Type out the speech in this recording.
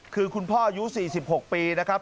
คือคุณพ่ออายุ๔๖ปีนะครับ